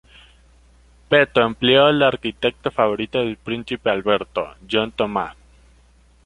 Peto empleó al arquitecto favorito del Príncipe Alberto, John Thomas.